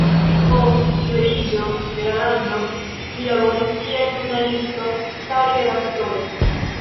Post liberiĝo de la lando li laboris kiel ĵurnalisto kaj redaktoro.